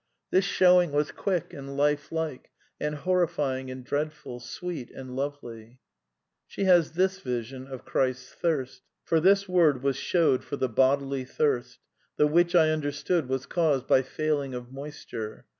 ''This Shewing was quick and life like, and horrifying and dreadful, sweet and lovely.'' {Bevelations of Divine Love, pp. 16, 16.) She has this vision of Christ's thirst. "For this word was shewed for the bodily thirst: the which I understood was caused by failing of moisture.